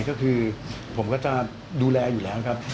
ก็คือผมก็จะดูแลอยู่แล้วครับ